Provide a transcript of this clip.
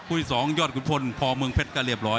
อีก๒ยอดขุนพลพอเมืองเพชรก็เรียบร้อย